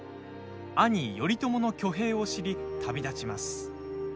兄・頼朝の挙兵を知り旅立ちます。